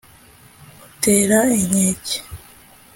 utera inkeke